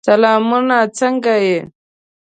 سلامونه! څنګه یې؟